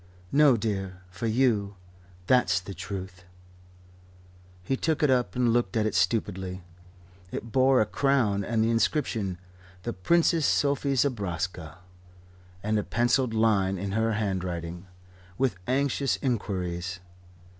"No, dear. For you, that's the Truth." He took it up and looked at it stupidly. It bore a crown and the inscription: "The Princess Sophie Zobraska," and a pencilled line, in her handwriting: "With anxious inquiries."